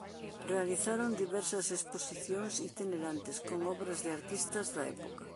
Realizaron diversas exposicións itinerantes con obras de artistas da época.